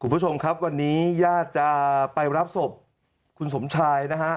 คุณผู้ชมครับวันนี้ญาติจะไปรับศพคุณสมชายนะฮะ